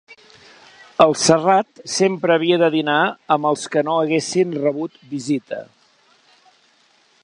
El Serrat sempre havia de dinar amb els que no haguessin rebut visita.